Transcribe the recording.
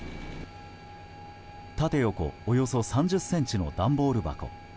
縦横およそ３０ｃｍの段ボール箱。